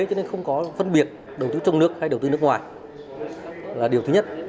cho nên không có phân biệt đầu tư trong nước hay đầu tư nước ngoài là điều thứ nhất